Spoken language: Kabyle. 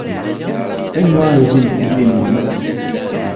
Anwa ay d imsujji-nwen?